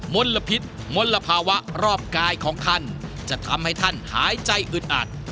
มลพิษมลภาวะรอบกายของท่านจะทำให้ท่านหายใจอึดอัด